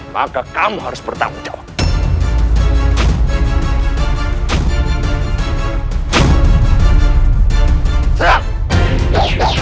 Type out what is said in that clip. maka kamu harus bertanggung jawab